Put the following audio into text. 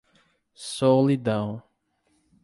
Solidão